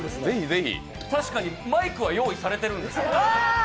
確かにマイクは用意されてるんですよ。